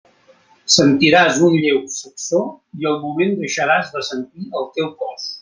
Sentiràs un lleu sacsó i al moment deixaràs de sentir el teu cos.